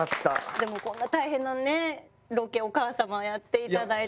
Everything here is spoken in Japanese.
でもこんな大変なねロケお母さまやっていただいて。